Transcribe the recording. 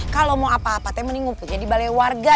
kalo mau apa apa temen nih ngumpulnya di balai warga